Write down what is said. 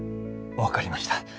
わかりました。